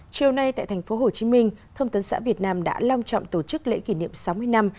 chiều nay tại tp hcm thông tấn xã việt nam đã long trọng tổ chức lễ kỷ niệm sáu mươi năm